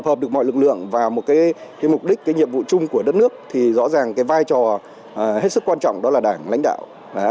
tập hợp được mọi lực lượng vào một mục đích nhiệm vụ chung của đất nước thì rõ ràng vai trò hết sức quan trọng đó là đảng lãnh đạo